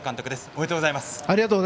おめでとうございます。